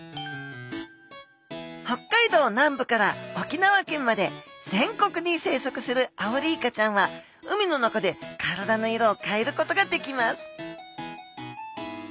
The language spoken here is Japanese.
北海道南部から沖縄県まで全国に生息するアオリイカちゃんは海の中で体の色を変えることができます